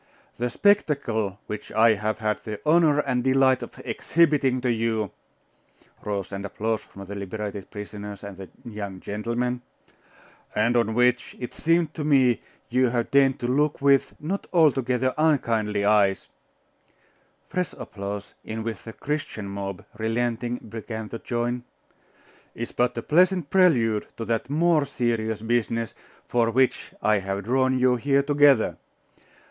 The spectacle which I have had the honour and delight of exhibiting to you (Roars and applause from the liberated prisoners and the young gentlemen) and on which it seemed to me you have deigned to look with not altogether unkindly eyes (Fresh applause, in which the Christian mob, relenting, began to join) is but a pleasant prelude to that more serious business for which I have drawn you here together.